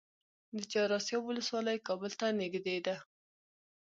د چهار اسیاب ولسوالۍ کابل ته نږدې ده